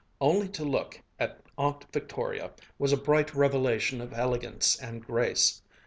Only to look at Aunt Victoria was a bright revelation of elegance and grace.